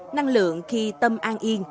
năng lượng khi tâm an yên